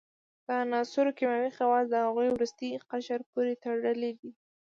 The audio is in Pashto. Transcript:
د عناصرو کیمیاوي خواص د هغوي وروستي قشر پورې تړلی دی.